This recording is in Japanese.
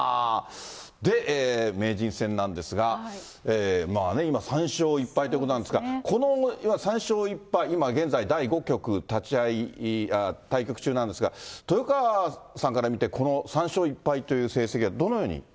名人戦なんですが、今ね、３勝１敗ということなんですが、この３勝１敗、今現在第５局対局中なんですが、豊川さんから見て、この３勝１敗という成績はどのように。